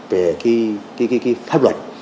về cái pháp luật